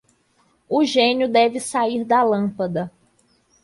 O gênio deve sair da lâmpada